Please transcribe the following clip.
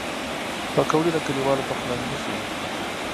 پکورې د کلیوالو پخلنځی ښيي